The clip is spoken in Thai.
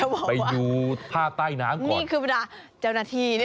ไปอยู่ผ้าใต้น้ำก่อน